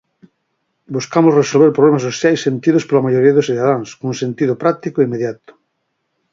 Buscamos resolver problemas sociais sentidos pola maioría dos cidadáns cun sentido práctico e inmediato.